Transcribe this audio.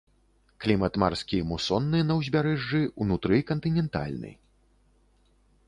Клімат марскі мусонны на ўзбярэжжы, унутры кантынентальны.